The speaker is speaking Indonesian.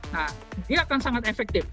nah ini akan sangat efektif